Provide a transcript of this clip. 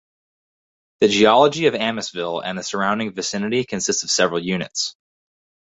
The geology of Amissville and the surrounding vicinity consists of several units.